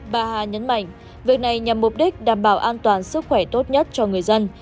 bà hà nhấn mạnh việc này nhằm mục đích đảm bảo an toàn sức khỏe tốt nhất cho người dân